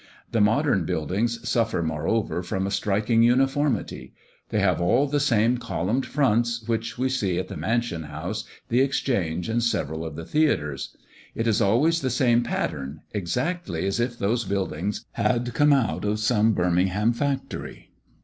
The modern buildings suffer, moreover, from a striking uniformity; they have all the same columned fronts, which we see at the Mansion house, the Exchange, and several of the theatres. It is always the same pattern, exactly as if those buildings had come out of some Birmingham factory.